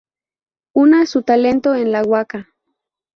Una, su talento en la "waka".